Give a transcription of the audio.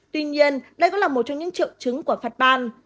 tuy nhiên đây cũng là một trong những triệu chứng của phát ban